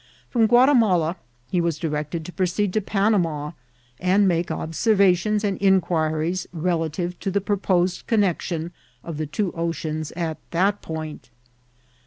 From Guatmia^ la he was directed to proceed to Panama, and make observations and inquiries relative to the proposed connexion of the two oceans at that point.